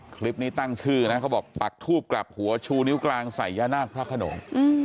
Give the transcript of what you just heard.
คลิปนี้ตั้งชื่อนะเขาบอกปักทูบกลับหัวชูนิ้วกลางใส่ย่านาคพระขนง